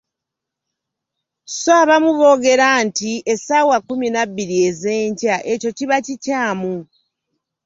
So abamu boogera nti "essaawa kkumi na bbiri ez'enkya", ekyo kikyamu.